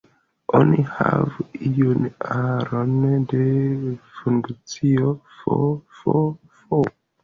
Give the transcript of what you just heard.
Oni havu iun aron de funkcioj "f", "f"..., "f".